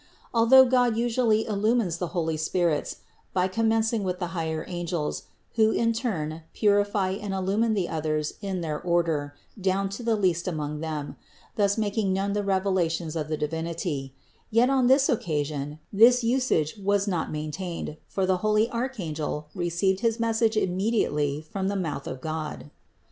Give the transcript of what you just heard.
Although God usually illumines the holy spirits by commencing with the higher angels, who in turn purify and illumine the others in their order down to the least among them, thus making known the revelations of the Divinity; yet on this occasion this usage was not maintained, for the holy archangel re ceived his message immediately from the mouth of God.